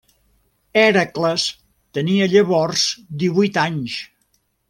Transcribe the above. Hèracles tenia llavors divuit anys.